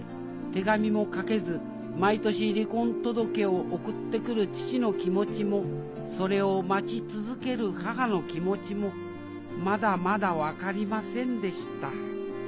手紙も書けず毎年離婚届を送ってくる父の気持ちもそれを待ち続ける母の気持ちもまだまだ分かりませんでした